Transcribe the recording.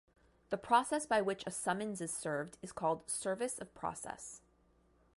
The process by which a summons is served is called service of process.